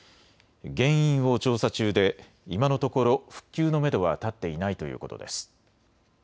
原因を調査中で今のところ復旧のめどは立っていないということです。